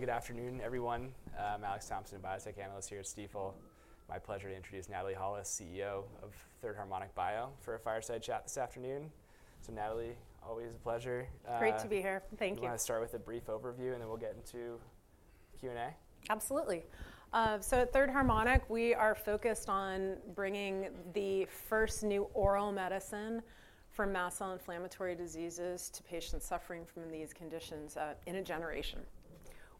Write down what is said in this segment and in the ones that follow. Good afternoon, everyone. I'm Alex Thompson, a biotech analyst here at Stifel. My pleasure to introduce Natalie Holles, CEO of Third Harmonic Bio, for a fireside chat this afternoon. So, Natalie, always a pleasure. Great to be here. Thank you. I'm going to start with a brief overview, and then we'll get into Q&A. Absolutely. So, at Third Harmonic, we are focused on bringing the first new oral medicine for mast cell inflammatory diseases to patients suffering from these conditions in a generation.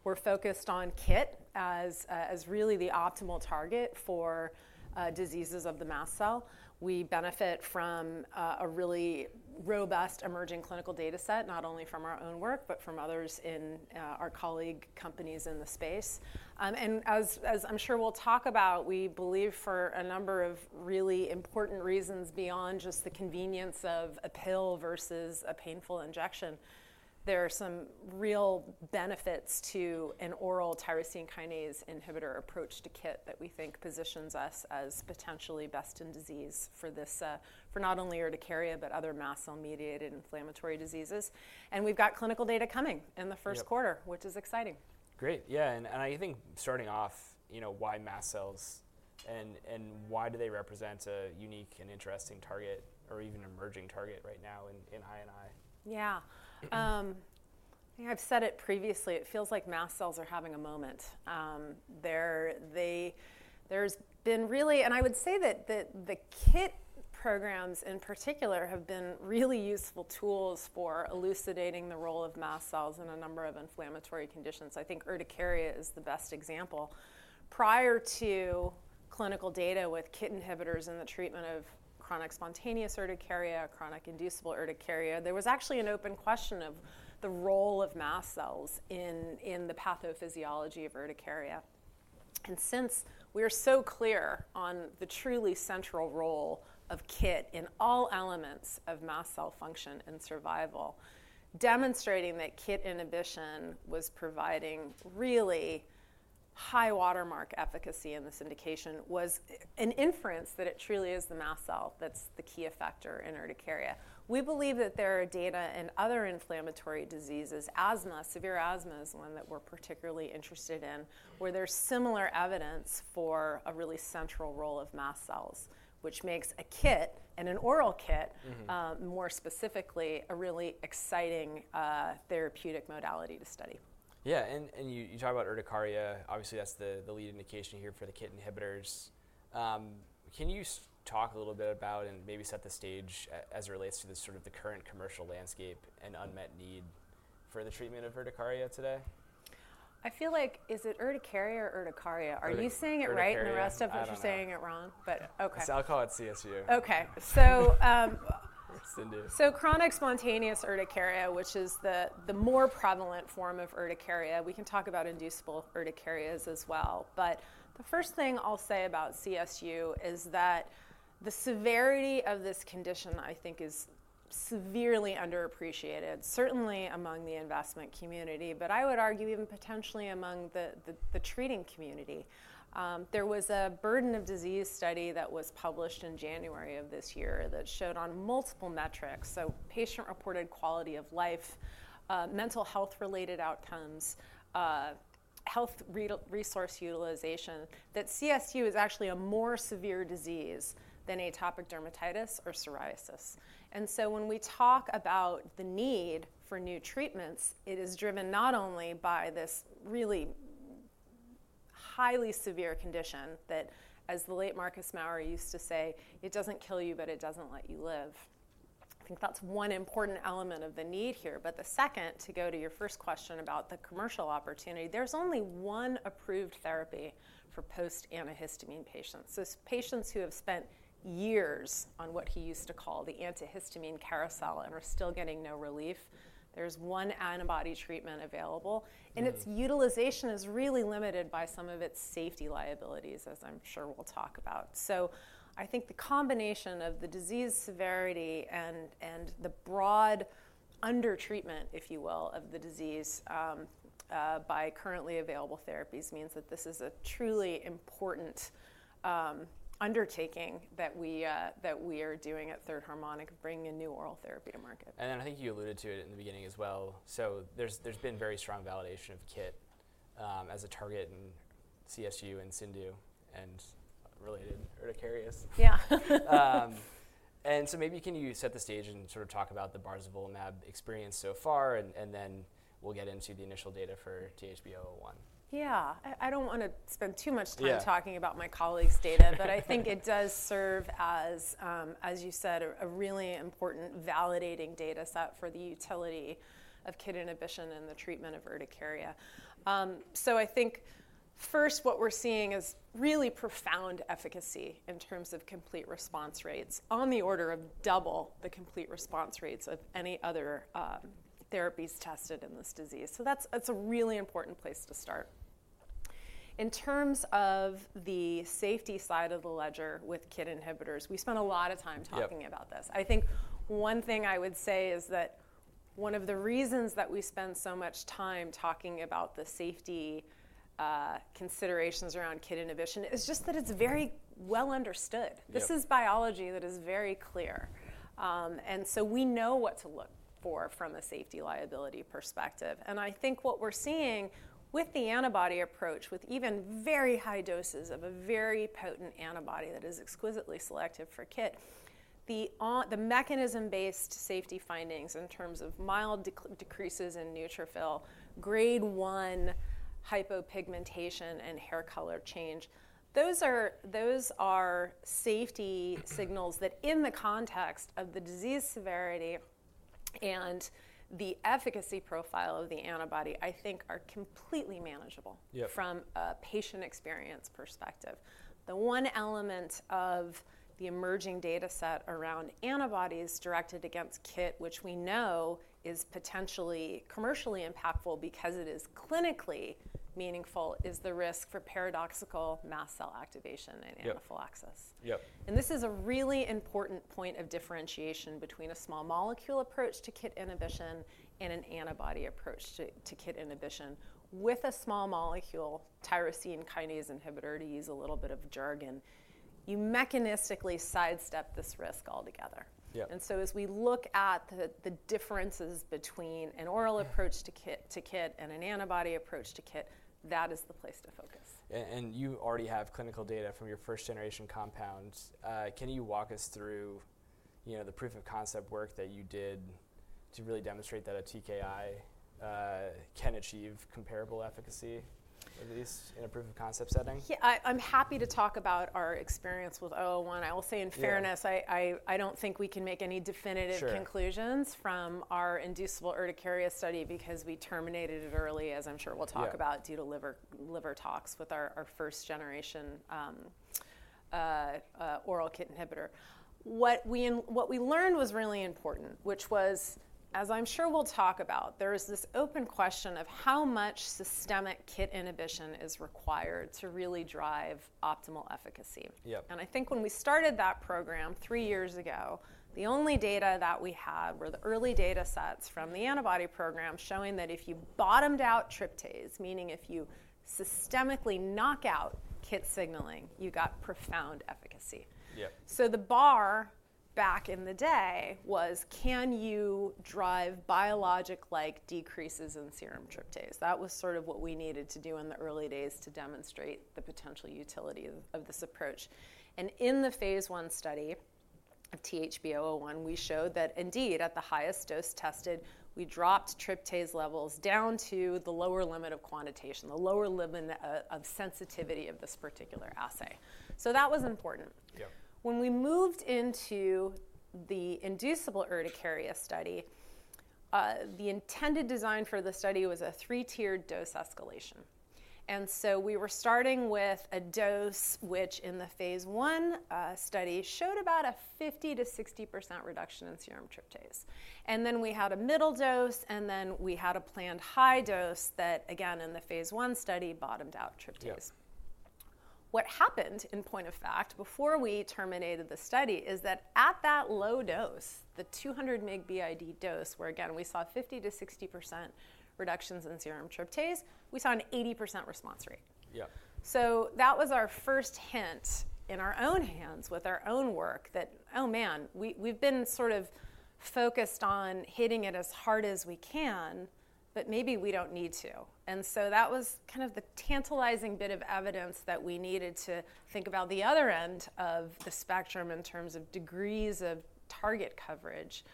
We're focused on KIT as really the optimal target for diseases of the mast cell. We benefit from a really robust emerging clinical data set, not only from our own work, but from others in our colleague companies in the space. And as I'm sure we'll talk about, we believe for a number of really important reasons beyond just the convenience of a pill versus a painful injection, there are some real benefits to an oral tyrosine kinase inhibitor approach to KIT that we think positions us as potentially best in disease for not only urticaria, but other mast cell-mediated inflammatory diseases. And we've got clinical data coming in the first quarter, which is exciting. Great. Yeah. And I think starting off, you know, why mast cells and why do they represent a unique and interesting target, or even emerging target right now in I&I? Yeah. I think I've said it previously. It feels like mast cells are having a moment. There's been really, and I would say that the KIT programs in particular have been really useful tools for elucidating the role of mast cells in a number of inflammatory conditions. I think urticaria is the best example. Prior to clinical data with KIT inhibitors in the treatment of chronic spontaneous urticaria, chronic inducible urticaria, there was actually an open question of the role of mast cells in the pathophysiology of urticaria. And since we are so clear on the truly central role of KIT in all elements of mast cell function and survival, demonstrating that KIT inhibition was providing really high watermark efficacy in this indication was an inference that it truly is the mast cell that's the key effector in urticaria. We believe that there are data in other inflammatory diseases, asthma, severe asthma is one that we're particularly interested in, where there's similar evidence for a really central role of mast cells, which makes a KIT, and an oral KIT, more specifically a really exciting therapeutic modality to study. Yeah. And you talk about urticaria. Obviously, that's the lead indication here for the KIT inhibitors. Can you talk a little bit about, and maybe set the stage as it relates to the sort of the current commercial landscape and unmet need for the treatment of urticaria today? I feel like, is it urticaria or urticaria? Are you saying it right, and the rest of us are saying it wrong? But OK. I'll call it CSU. OK. So. It's CIndU. So chronic spontaneous urticaria, which is the more prevalent form of urticaria, we can talk about inducible urticarias as well. But the first thing I'll say about CSU is that the severity of this condition, I think, is severely underappreciated, certainly among the investment community, but I would argue even potentially among the treating community. There was a burden of disease study that was published in January of this year that showed on multiple metrics, so patient-reported quality of life, mental health-related outcomes, health resource utilization, that CSU is actually a more severe disease than atopic dermatitis or psoriasis. And so when we talk about the need for new treatments, it is driven not only by this really highly severe condition that, as the late Marcus Maurer used to say, it doesn't kill you, but it doesn't let you live. I think that's one important element of the need here. But the second, to go to your first question about the commercial opportunity, there's only one approved therapy for post-antihistamine patients. So patients who have spent years on what he used to call the antihistamine carousel and are still getting no relief, there's one antibody treatment available. And its utilization is really limited by some of its safety liabilities, as I'm sure we'll talk about. So I think the combination of the disease severity and the broad under-treatment, if you will, of the disease by currently available therapies means that this is a truly important undertaking that we are doing at Third Harmonic Bio, bringing a new oral therapy to market. And then I think you alluded to it in the beginning as well. So there's been very strong validation of KIT as a target in CSU and CIndU and related urticarias. Yeah. And so maybe can you set the stage and sort of talk about the barzolvolimab experience so far, and then we'll get into the initial data for THB-01. Yeah. I don't want to spend too much time talking about my colleague's data, but I think it does serve as, as you said, a really important validating data set for the utility of KIT inhibition in the treatment of urticaria. So I think first what we're seeing is really profound efficacy in terms of complete response rates, on the order of double the complete response rates of any other therapies tested in this disease. So that's a really important place to start. In terms of the safety side of the ledger with KIT inhibitors, we spent a lot of time talking about this. I think one thing I would say is that one of the reasons that we spend so much time talking about the safety considerations around KIT inhibition is just that it's very well understood. This is biology that is very clear. And so we know what to look for from a safety liability perspective. And I think what we're seeing with the antibody approach, with even very high doses of a very potent antibody that is exquisitely selective for KIT, the mechanism-based safety findings in terms of mild decreases in neutrophil, grade 1 hypopigmentation, and hair color change, those are safety signals that in the context of the disease severity and the efficacy profile of the antibody, I think, are completely manageable from a patient experience perspective. The one element of the emerging data set around antibodies directed against KIT, which we know is potentially commercially impactful because it is clinically meaningful, is the risk for paradoxical mast cell activation and anaphylaxis. And this is a really important point of differentiation between a small molecule approach to KIT inhibition and an antibody approach to KIT inhibition. With a small molecule tyrosine kinase inhibitor, to use a little bit of jargon, you mechanistically sidestep this risk altogether, and so as we look at the differences between an oral approach to KIT and an antibody approach to KIT, that is the place to focus. You already have clinical data from your first-generation compounds. Can you walk us through the proof of concept work that you did to really demonstrate that a TKI can achieve comparable efficacy, at least in a proof of concept setting? Yeah. I'm happy to talk about our experience with 01. I will say in fairness, I don't think we can make any definitive conclusions from our inducible urticaria study because we terminated it early, as I'm sure we'll talk about due to liver tox with our first-generation oral KIT inhibitor. What we learned was really important, which was, as I'm sure we'll talk about, there is this open question of how much systemic KIT inhibition is required to really drive optimal efficacy. I think when we started that program three years ago, the only data that we had were the early data sets from the antibody program showing that if you bottomed out tryptase, meaning if you systemically knock out KIT signaling, you got profound efficacy. So the bar back in the day was, can you drive biologic-like decreases in serum tryptase? That was sort of what we needed to do in the early days to demonstrate the potential utility of this approach. And in the phase one study of THB-01, we showed that indeed, at the highest dose tested, we dropped tryptase levels down to the lower limit of quantitation, the lower limit of sensitivity of this particular assay. So that was important. When we moved into the inducible urticaria study, the intended design for the study was a three-tiered dose escalation. And so we were starting with a dose which, in the phase one study, showed about a 50%-60% reduction in serum tryptase. And then we had a middle dose, and then we had a planned high dose that, again, in the phase one study, bottomed out tryptase. What happened in point of fact before we terminated the study is that at that low dose, the 200 mg BID dose, where again, we saw 50%-60% reductions in serum tryptase, we saw an 80% response rate. So that was our first hint in our own hands with our own work that, oh man, we've been sort of focused on hitting it as hard as we can, but maybe we don't need to. And so that was kind of the tantalizing bit of evidence that we needed to think about the other end of the spectrum in terms of degrees of target coverage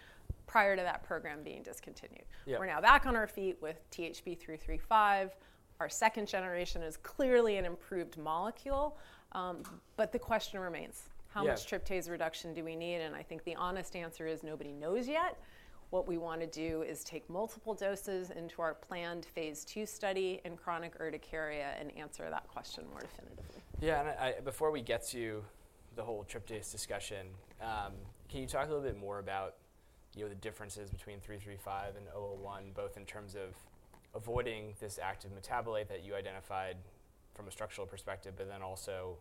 prior to that program being discontinued. We're now back on our feet with THB-335. Our second generation is clearly an improved molecule. But the question remains, how much tryptase reduction do we need? And I think the honest answer is nobody knows yet. What we want to do is take multiple doses into our planned phase two study in chronic urticaria and answer that question more definitively. Yeah. And before we get to the whole tryptase discussion, can you talk a little bit more about the differences between 335 and 01, both in terms of avoiding this active metabolite that you identified from a structural perspective, but then also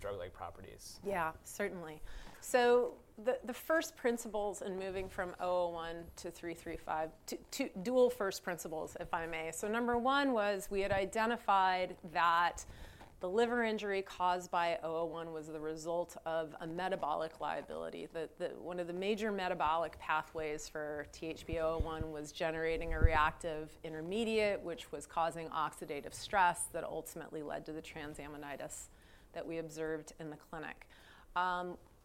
drug-like properties? Yeah, certainly. So the first principles in moving from 01 to THB-335, two dual first principles, if I may. So number one was we had identified that the liver injury caused by 01 was the result of a metabolic liability. One of the major metabolic pathways for THB-01 was generating a reactive intermediate, which was causing oxidative stress that ultimately led to the transaminitis that we observed in the clinic.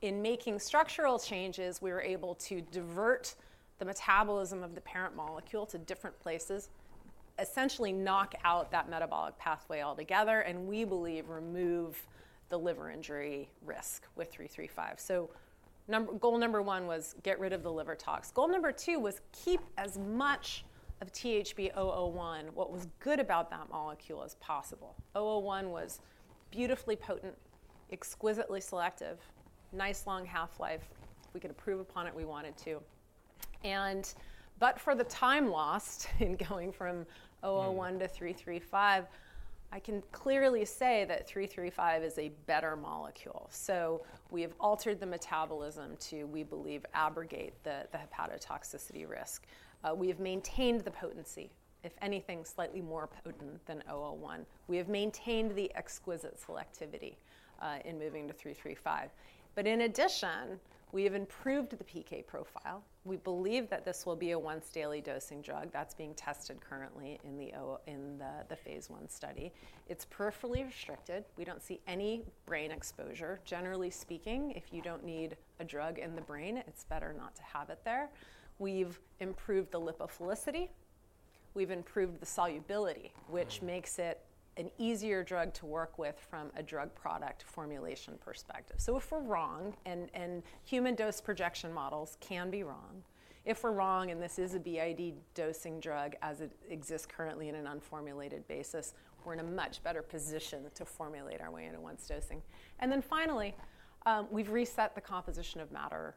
In making structural changes, we were able to divert the metabolism of the parent molecule to different places, essentially knock out that metabolic pathway altogether, and we believe remove the liver injury risk with THB-335. So goal number one was get rid of the liver tox. Goal number two was keep as much of THB-01, what was good about that molecule, as possible. 01 was beautifully potent, exquisitely selective, nice long half-life. We could improve upon it if we wanted to. But for the time lost in going from 01 to 335, I can clearly say that 335 is a better molecule. So we have altered the metabolism to, we believe, abrogate the hepatotoxicity risk. We have maintained the potency, if anything, slightly more potent than 01. We have maintained the exquisite selectivity in moving to 335. But in addition, we have improved the PK profile. We believe that this will be a once-daily dosing drug. That's being tested currently in the phase one study. It's peripherally restricted. We don't see any brain exposure. Generally speaking, if you don't need a drug in the brain, it's better not to have it there. We've improved the lipophilicity. We've improved the solubility, which makes it an easier drug to work with from a drug product formulation perspective. So if we're wrong, and human dose projection models can be wrong, if we're wrong and this is a BID dosing drug as it exists currently in an unformulated basis, we're in a much better position to formulate our way into once dosing. And then finally, we've reset the composition of matter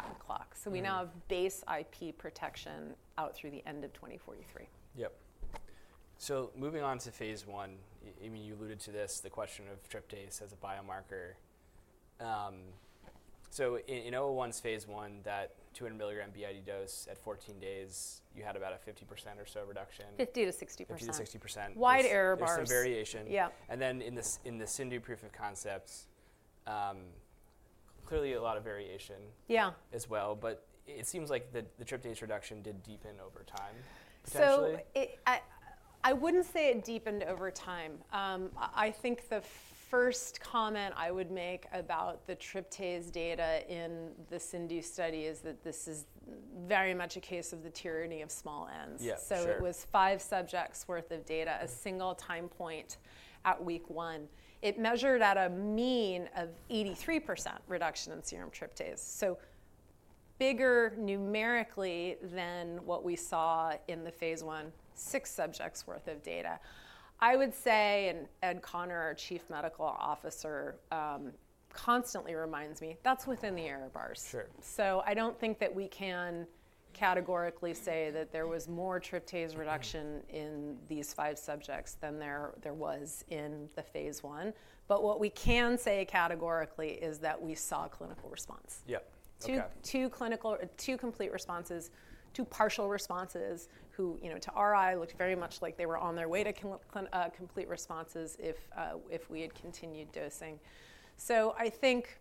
patent clock. So we now have base IP protection out through the end of 2043. Yep. So moving on to phase one, I mean, you alluded to this, the question of tryptase as a biomarker. So in 01's phase one, that 200 mg BID dose at 14 days, you had about a 50% or so reduction. 50%-60%. 50%-60%. Wide error bars. There's some variation. Yeah. In the chronic inducible urticaria proof of concepts, clearly a lot of variation as well. It seems like the tryptase reduction did deepen over time, potentially. I wouldn't say it deepened over time. I think the first comment I would make about the tryptase data in the chronic inducible urticaria study is that this is very much a case of the tyranny of small n's. It was five subjects' worth of data, a single time point at week one. It measured at a mean of 83% reduction in serum tryptase. Bigger numerically than what we saw in the phase one, six subjects' worth of data. I would say, and Conner, our Chief Medical Officer, constantly reminds me, that's within the error bars. I don't think that we can categorically say that there was more tryptase reduction in these five subjects than there was in the phase one. But what we can say categorically is that we saw clinical response. Yep. Two complete responses, two partial responses who, to our eye, looked very much like they were on their way to complete responses if we had continued dosing. So I think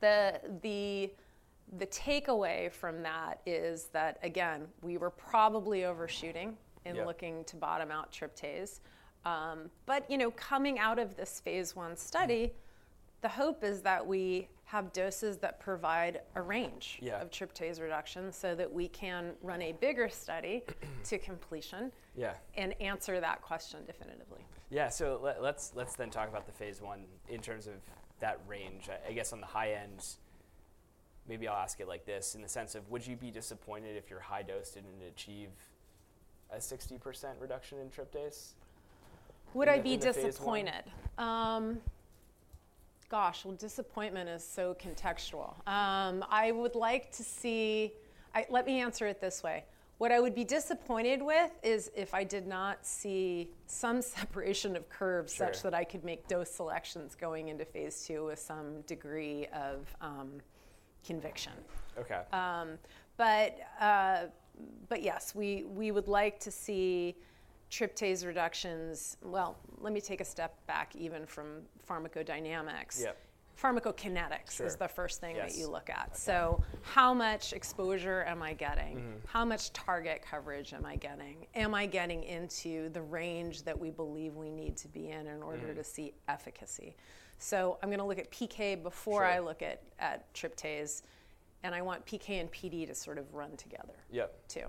the takeaway from that is that, again, we were probably overshooting in looking to bottom out tryptase. But coming out of this phase one study, the hope is that we have doses that provide a range of tryptase reduction so that we can run a bigger study to completion and answer that question definitively. Yeah, so let's then talk about the phase one in terms of that range. I guess on the high end, maybe I'll ask it like this in the sense of, would you be disappointed if your high dose didn't achieve a 60% reduction in tryptase? Would I be disappointed? Gosh, well, disappointment is so contextual. I would like to see, let me answer it this way. What I would be disappointed with is if I did not see some separation of curves such that I could make dose selections going into phase two with some degree of conviction, but yes, we would like to see tryptase reductions, well, let me take a step back even from pharmacodynamics. Pharmacokinetics is the first thing that you look at. So how much exposure am I getting? How much target coverage am I getting? Am I getting into the range that we believe we need to be in in order to see efficacy? So I'm going to look at PK before I look at tryptase, and I want PK and PD to sort of run together too.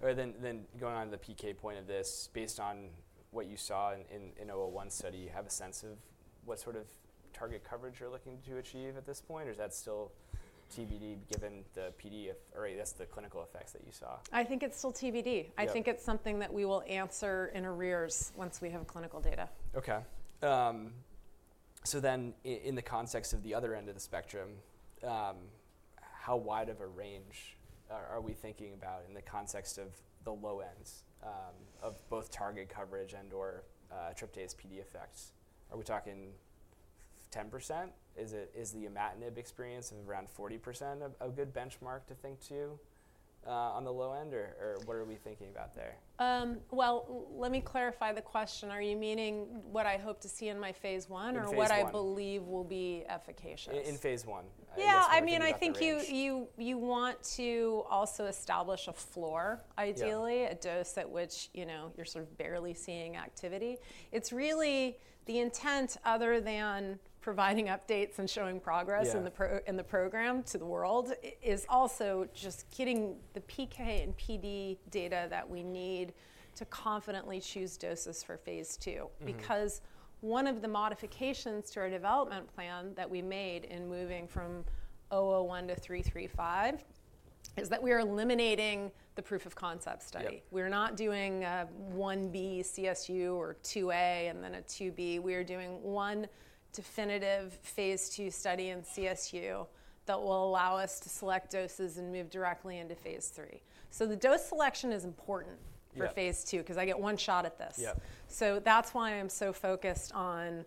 All right. Then going on to the PK point of this, based on what you saw in 01 study, you have a sense of what sort of target coverage you're looking to achieve at this point? Or is that still TBD given the PD, or I guess the clinical effects that you saw? I think it's still TBD. I think it's something that we will answer in arrears once we have clinical data. Okay. So then in the context of the other end of the spectrum, how wide of a range are we thinking about in the context of the low end of both target coverage and/or Tryptase PD effects? Are we talking 10%? Is the imatinib experience of around 40% a good benchmark to think to on the low end? Or what are we thinking about there? Let me clarify the question. Are you meaning what I hope to see in my phase one or what I believe will be efficacious? In phase one. Yeah. I mean, I think you want to also establish a floor, ideally, a dose at which you're sort of barely seeing activity. It's really the intent, other than providing updates and showing progress in the program to the world, is also just getting the PK and PD data that we need to confidently choose doses for phase 2. Because one of the modifications to our development plan that we made in moving from THB-01 to THB-335 is that we are eliminating the proof of concept study. We're not doing a 1b CSU or 2a and then a 2b. We are doing one definitive phase 2 study in CSU that will allow us to select doses and move directly into phase 3. So the dose selection is important for phase 2 because I get one shot at this. So that's why I'm so focused on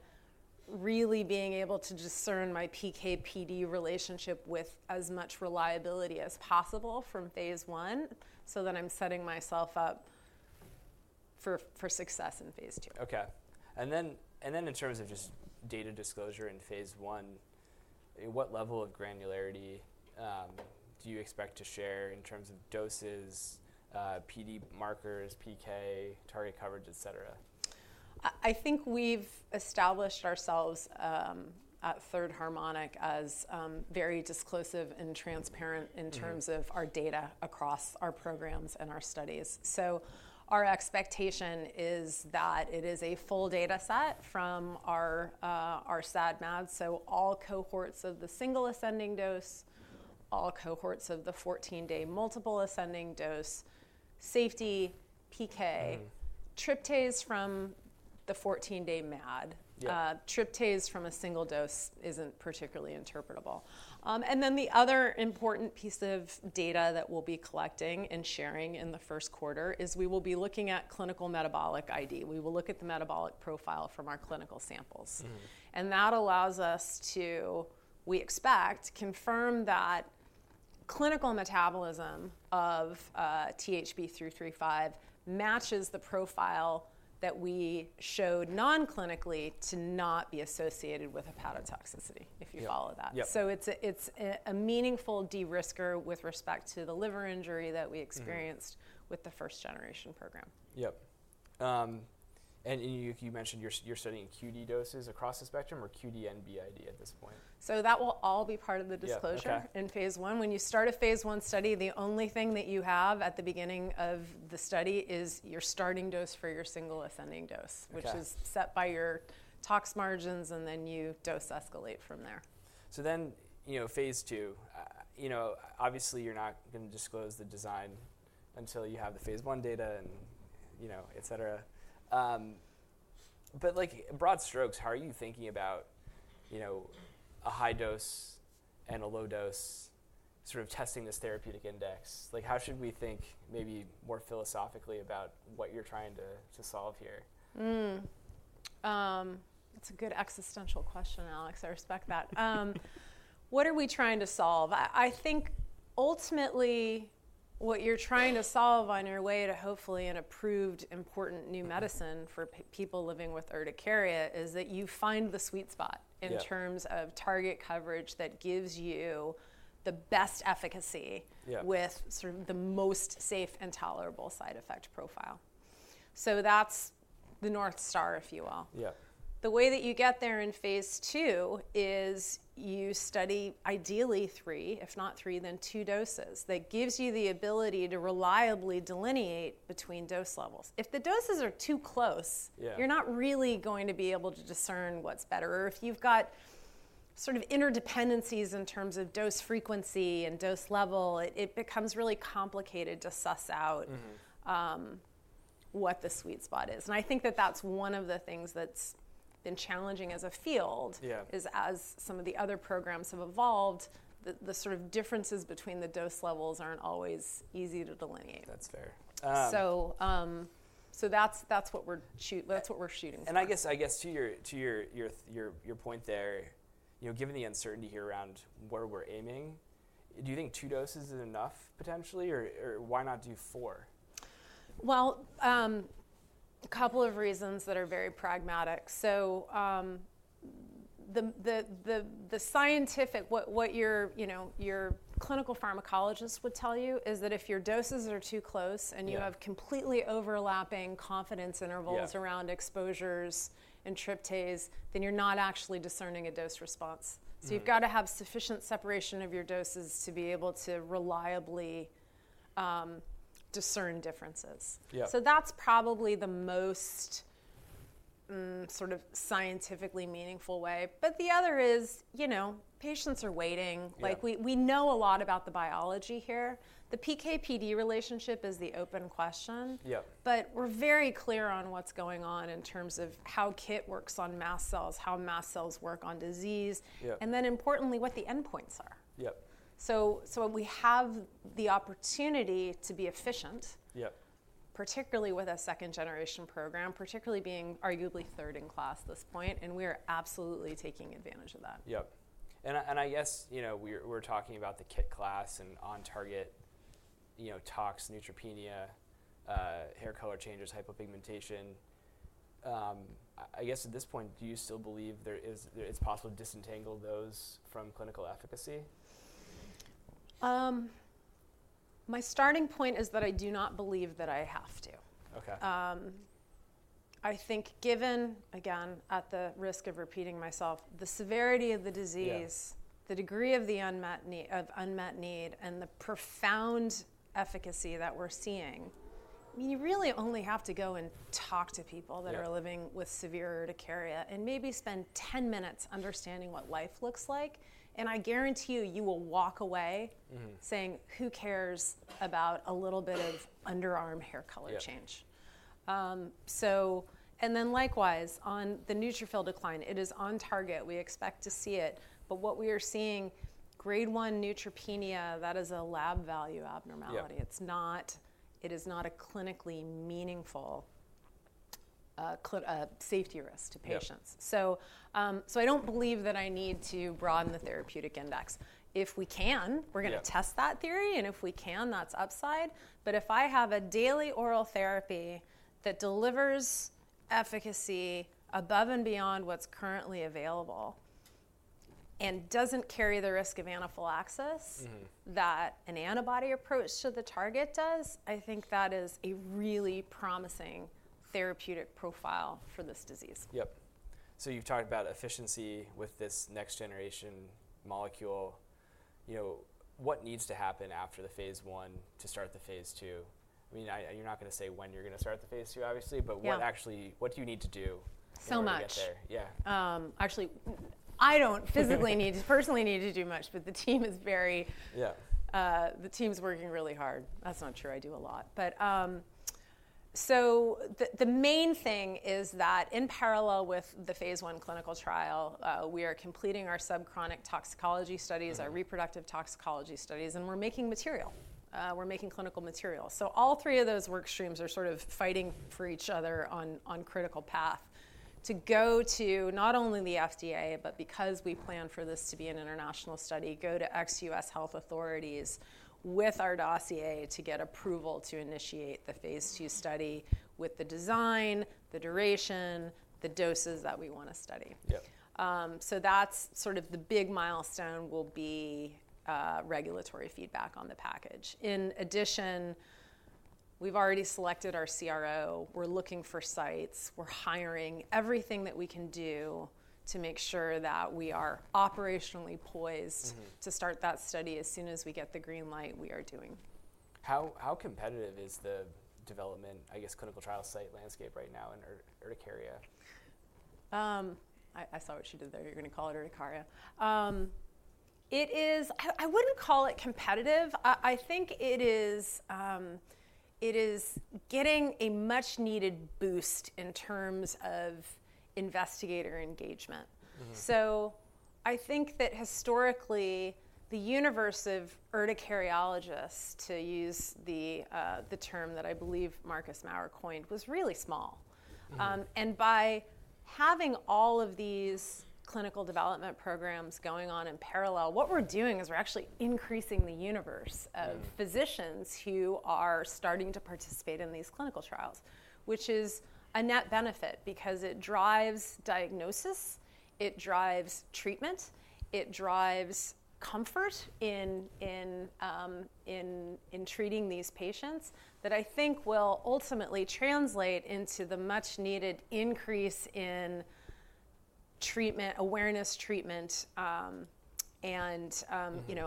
really being able to discern my PK/PD relationship with as much reliability as possible from phase one. So then I'm setting myself up for success in phase two. Okay. And then in terms of just data disclosure in phase one, what level of granularity do you expect to share in terms of doses, PD markers, PK, target coverage, et cetera? I think we've established ourselves at Third Harmonic as very disclosive and transparent in terms of our data across our programs and our studies, so our expectation is that it is a full data set from our SAD/MAD, so all cohorts of the single ascending dose, all cohorts of the 14-day multiple ascending dose, safety, PK, tryptase from the 14-day MAD. Tryptase from a single dose isn't particularly interpretable, and then the other important piece of data that we'll be collecting and sharing in the first quarter is we will be looking at clinical metabolite ID. We will look at the metabolic profile from our clinical samples, and that allows us to, we expect, confirm that clinical metabolism of THB-335 matches the profile that we showed non-clinically to not be associated with hepatotoxicity if you follow that. It's a meaningful de-risker with respect to the liver injury that we experienced with the first generation program. Yep. And you mentioned you're studying QD doses across the spectrum or QD and BID at this point? That will all be part of the disclosure in phase 1. When you start a phase 1 study, the only thing that you have at the beginning of the study is your starting dose for your single ascending dose, which is set by your tox margins, and then you dose escalate from there. So then phase two, obviously you're not going to disclose the design until you have the phase one data and et cetera. But broad strokes, how are you thinking about a high dose and a low dose sort of testing this therapeutic index? How should we think maybe more philosophically about what you're trying to solve here? That's a good existential question, Alex. I respect that. What are we trying to solve? I think ultimately what you're trying to solve on your way to hopefully an approved important new medicine for people living with urticaria is that you find the sweet spot in terms of target coverage that gives you the best efficacy with sort of the most safe and tolerable side effect profile. So that's the North Star, if you will. The way that you get there in phase two is you study ideally three, if not three, then two doses. That gives you the ability to reliably delineate between dose levels. If the doses are too close, you're not really going to be able to discern what's better. Or if you've got sort of interdependencies in terms of dose frequency and dose level, it becomes really complicated to suss out what the sweet spot is. I think that that's one of the things that's been challenging as a field is as some of the other programs have evolved, the sort of differences between the dose levels aren't always easy to delineate. That's fair. So that's what we're shooting for. I guess to your point there, given the uncertainty here around where we're aiming, do you think two doses is enough potentially? Or why not do four? A couple of reasons that are very pragmatic. The scientific, what your clinical pharmacologist would tell you is that if your doses are too close and you have completely overlapping confidence intervals around exposures and tryptase, then you're not actually discerning a dose response. You've got to have sufficient separation of your doses to be able to reliably discern differences. That's probably the most sort of scientifically meaningful way. The other is patients are waiting. We know a lot about the biology here. The PK/PD relationship is the open question. We're very clear on what's going on in terms of how KIT works on mast cells, how mast cells work on disease, and then importantly, what the endpoints are. We have the opportunity to be efficient, particularly with a second generation program, particularly being arguably third in class at this point. We are absolutely taking advantage of that. Yep. And I guess we're talking about the KIT class and on-target tox, neutropenia, hair color changes, hypopigmentation. I guess at this point, do you still believe it's possible to disentangle those from clinical efficacy? My starting point is that I do not believe that I have to. I think given, again, at the risk of repeating myself, the severity of the disease, the degree of the unmet need, and the profound efficacy that we're seeing, I mean, you really only have to go and talk to people that are living with severe urticaria and maybe spend 10 minutes understanding what life looks like, and I guarantee you you will walk away saying, "Who cares about a little bit of underarm hair color change?", and then likewise, on the neutrophil decline, it is on target. We expect to see it, but what we are seeing, grade 1 neutropenia, that is a lab value abnormality. It is not a clinically meaningful safety risk to patients, so I don't believe that I need to broaden the therapeutic index. If we can, we're going to test that theory. And if we can, that's upside. But if I have a daily oral therapy that delivers efficacy above and beyond what's currently available and doesn't carry the risk of anaphylaxis that an antibody approach to the target does, I think that is a really promising therapeutic profile for this disease. Yep. So you've talked about efficiency with this next generation molecule. What needs to happen after the phase 1 to start the phase 2? I mean, you're not going to say when you're going to start the phase 2, obviously, but what do you need to do to get there? So much. Actually, I don't physically need to, personally need to do much, but the team's working really hard. That's not true. I do a lot. So the main thing is that in parallel with the phase one clinical trial, we are completing our subchronic toxicology studies, our reproductive toxicology studies, and we're making material. We're making clinical material. So all three of those work streams are sort of fighting for each other on critical path to go to not only the FDA, but because we plan for this to be an international study, go to ex-US health authorities with our dossier to get approval to initiate the phase two study with the design, the duration, the doses that we want to study. So that's sort of the big milestone will be regulatory feedback on the package. In addition, we've already selected our CRO. We're looking for sites. We're hiring everything that we can do to make sure that we are operationally poised to start that study as soon as we get the green light. We are doing. How competitive is the development, I guess, clinical trial site landscape right now in urticaria? I saw what she did there. You're going to call it urticaria. I wouldn't call it competitive. I think it is getting a much-needed boost in terms of investigator engagement, so I think that historically, the universe of urticariologists, to use the term that I believe Marcus Maurer coined, was really small, and by having all of these clinical development programs going on in parallel, what we're doing is we're actually increasing the universe of physicians who are starting to participate in these clinical trials, which is a net benefit because it drives diagnosis, it drives treatment, it drives comfort in treating these patients that I think will ultimately translate into the much-needed increase in treatment, awareness treatment, and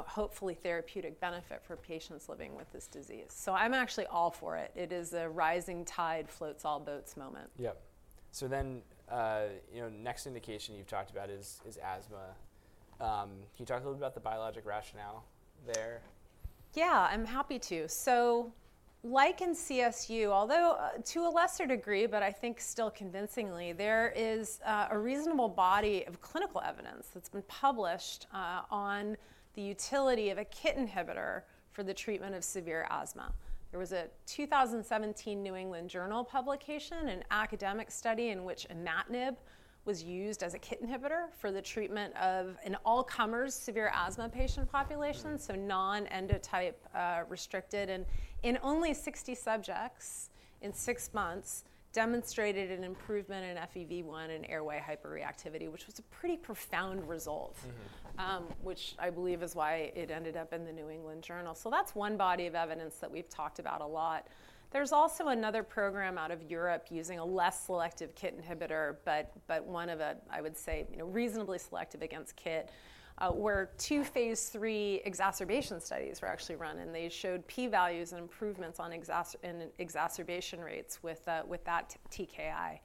hopefully therapeutic benefit for patients living with this disease, so I'm actually all for it. It is a rising tide floats all boats moment. Yep. So then next indication you've talked about is asthma. Can you talk a little bit about the biologic rationale there? Yeah. I'm happy to. So like in CSU, although to a lesser degree, but I think still convincingly, there is a reasonable body of clinical evidence that's been published on the utility of a KIT inhibitor for the treatment of severe asthma. There was a 2017 New England Journal publication, an academic study in which imatinib was used as a KIT inhibitor for the treatment of an all-comers severe asthma patient population, so non-endotype restricted, and in only 60 subjects in six months demonstrated an improvement in FEV1 and airway hyperreactivity, which was a pretty profound result, which I believe is why it ended up in the New England Journal. So that's one body of evidence that we've talked about a lot. There's also another program out of Europe using a less selective KIT inhibitor, but one of, I would say, reasonably selective against KIT, where two phase three exacerbation studies were actually run. And they showed P values and improvements in exacerbation rates with that TKI.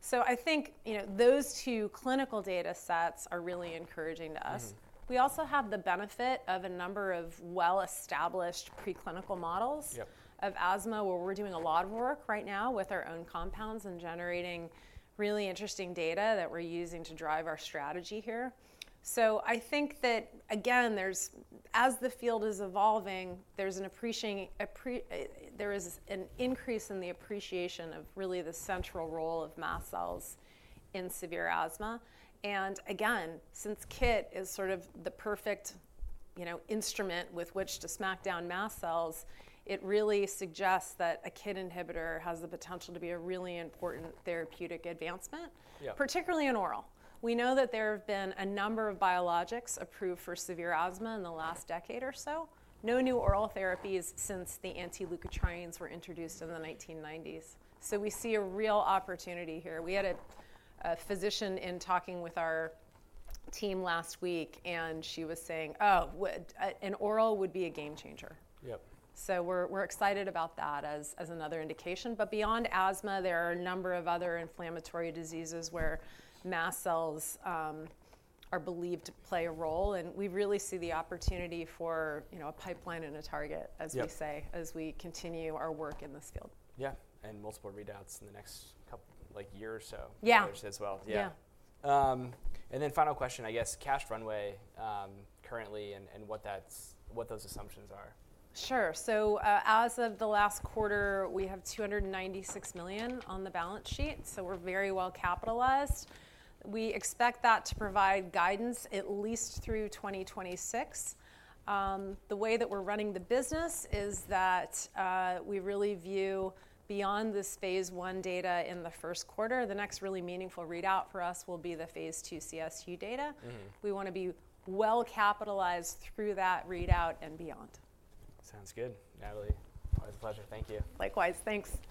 So I think those two clinical data sets are really encouraging to us. We also have the benefit of a number of well-established preclinical models of asthma where we're doing a lot of work right now with our own compounds and generating really interesting data that we're using to drive our strategy here. So I think that, again, as the field is evolving, there is an increase in the appreciation of really the central role of mast cells in severe asthma. And again, since KIT is sort of the perfect instrument with which to smack down mast cells, it really suggests that a KIT inhibitor has the potential to be a really important therapeutic advancement, particularly in oral. We know that there have been a number of biologics approved for severe asthma in the last decade or so. No new oral therapies since the anti-leukotrienes were introduced in the 1990s. So we see a real opportunity here. We had a physician in talking with our team last week, and she was saying, "Oh, an oral would be a game changer." So we're excited about that as another indication. But beyond asthma, there are a number of other inflammatory diseases where mast cells are believed to play a role. And we really see the opportunity for a pipeline and a target, as we say, as we continue our work in this field. Yeah. And multiple readouts in the next year or so as well. Yeah. And then final question, I guess, cash runway currently and what those assumptions are. Sure. So as of the last quarter, we have $296 million on the balance sheet. So we're very well capitalized. We expect that to provide guidance at least through 2026. The way that we're running the business is that we really view beyond this phase one data in the first quarter. The next really meaningful readout for us will be the phase two CSU data. We want to be well capitalized through that readout and beyond. Sounds good. Natalie, always a pleasure. Thank you. Likewise. Thanks.